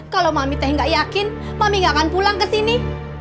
kalau mami teh nggak yakin mami nggak akan pulang ke sini